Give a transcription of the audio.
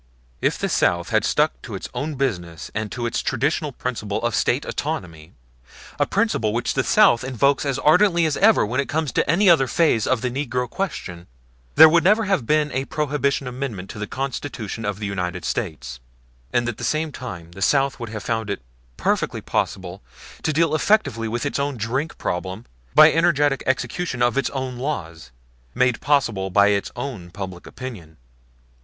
If the South had stuck to its own business and to its traditional principle of State autonomy a principle which the South invokes as ardently as ever when it comes to any other phase of the negro question there would never have been a Prohibition Amendment to the Constitution of the United States; and at the same time the South would have found it perfectly possible to deal effectively with its own drink problem by energetic execution of its own laws, made possible by its own public opinion.